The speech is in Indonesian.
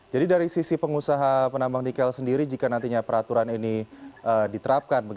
jadi dari sisi pengusaha penambang nikel sendiri jika nantinya peraturan ini diterapkan